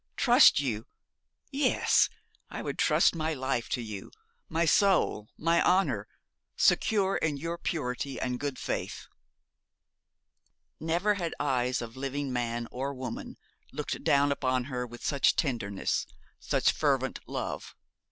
'Trust you! Yes, I would trust my life to you my soul my honour secure in your purity and good faith.' Never had eyes of living man or woman looked down upon her with such tenderness, such fervent love.